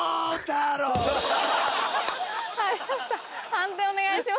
判定お願いします。